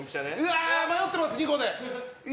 迷ってます、２個で。